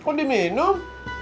ya kok diminum